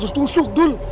dua ratus tusuk dul